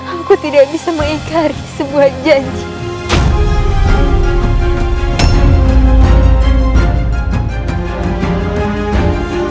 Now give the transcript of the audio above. aku tidak bisa mengikari sebuah janji